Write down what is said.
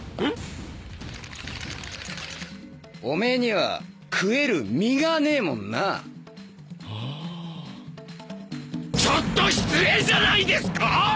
アリアリアリオメエには食える「身」がねえもんなあちょっと失礼じゃないですかァ！